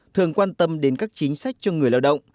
thường quan tâm đến các chính sách cho người lao động